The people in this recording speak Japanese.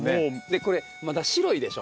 これまだ白いでしょ。